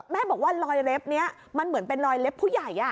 แม่บอกว่าลอยเล็บนี้มันเหมือนเป็นรอยเล็บผู้ใหญ่